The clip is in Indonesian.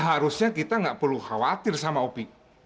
seharusnya kita nggak perlu khawatir sama opi